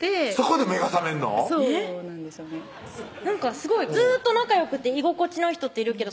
すごいずーっと仲よくて居心地のいい人っているけど